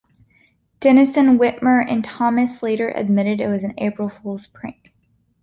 Denison Witmer and Thomas later admitted it was an April Fools' prank.